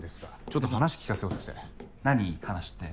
ちょっと話聞かせてほしくて。